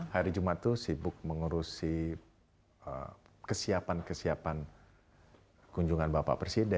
hari jumat itu sibuk mengurusi kesiapan kesiapan kunjungan bapak presiden